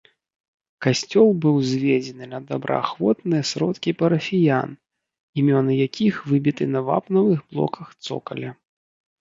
Касцёл быў узведзены на добраахвотныя сродкі парафіян, імёны якіх выбіты на вапнавых блоках цокаля.